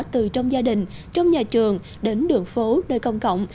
từ trong gia đình trong nhà trường đến đường phố nơi công cộng